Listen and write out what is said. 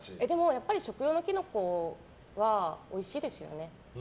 やっぱり食用のキノコはおいしいですよね。